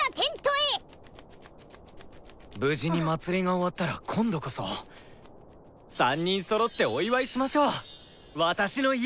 無事に祭が終わったら今度こそ３人そろってお祝いしましょう私の家で。